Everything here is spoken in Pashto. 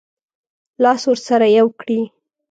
لاس ورسره یو کړي.